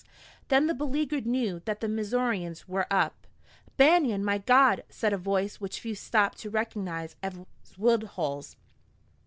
Then the beleaguered knew that the Missourians were up. "Banion, by God!" said a voice which few stopped to recognize as Woodhull's.